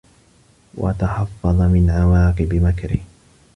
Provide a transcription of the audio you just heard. وَتَحَفَّظَ مِنْ عَوَاقِبِ مَكْرِهِ